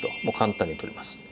もう簡単に取れます。